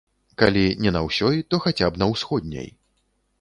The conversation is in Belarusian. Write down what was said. Калі не на ўсёй, то хаця б на ўсходняй.